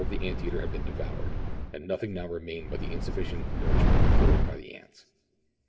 ■■■ I •—• of the ant eater had been devoured, and nothing now remained but the insufficient nourishment afforded by the ants.